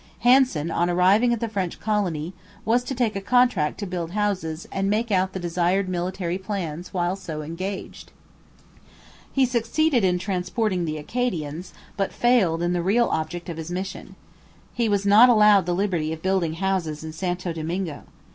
Hanson, on arriving at the French colony, was to take a contract to build houses and make out the desired military plans while so engaged. He succeeded in transporting the Acadians, but failed in the real object of his mission. He was not allowed the liberty of building houses in Santo Domingo.